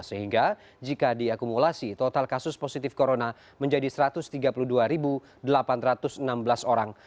sehingga jika diakumulasi total kasus positif corona menjadi satu ratus tiga puluh dua delapan ratus enam belas orang